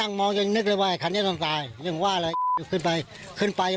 ก่อนก็แค่เล็กน้อย